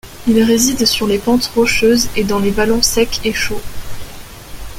Il réside sur les pentes rocheuses et dans les vallons secs et chauds.